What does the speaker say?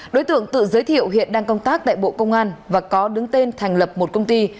đối tượng tự giới thiệu hiện đang công tác tại bộ công an và có đứng tên thành lập một công ty